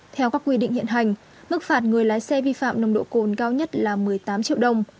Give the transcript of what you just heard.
theo các quy định hiện hành mức phạt người lái xe vi phạm nồng độ cồn cao nhất là một mươi tám triệu đồng